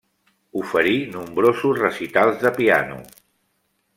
Oferí nombrosos recitals de piano.